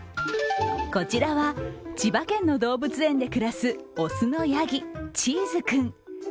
こちらは千葉県の動物園で暮らす雄のやぎ・チーズ君。